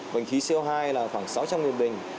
bình khí siêu hai là khoảng sáu trăm linh một bình